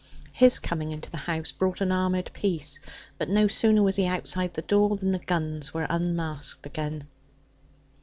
His coming into the house brought an armoured peace, but no sooner was he outside the door than the guns were unmasked again.